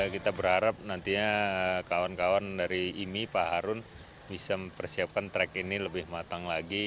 kita berharap nantinya kawan kawan dari imi pak harun bisa mempersiapkan track ini lebih matang lagi